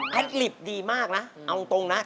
ให้หลีบดีมากนะเอาตรงนะ